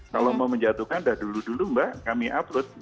kalau mau menjatuhkan udah dulu dulu mbak kami upload